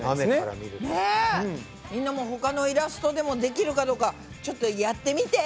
みんなも他のイラストでもできるかどうかちょっとやってみて！